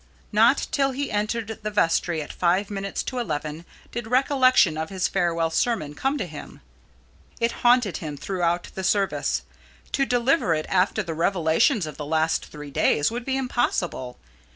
Not till he entered the vestry at five minutes to eleven did recollection of his farewell sermon come to him. It haunted him throughout the service. To deliver it after the revelations of the last three days would be impossible.